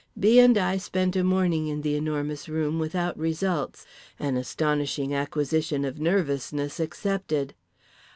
B. and I spent a morning in The Enormous Room without results, an astonishing acquisition of nervousness excepted.